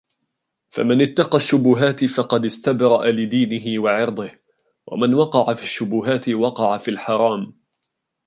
فَمَنِ اتَّقَى الشُّبُهَاتِ فَقَدِ اسْتَبْرَأَ لِدِينِهِ وعِرْضِهِ، ومَنْ وَقَعَ فِي الشُّبُهَاتِ وَقَعَ فِي الْحَرَامِ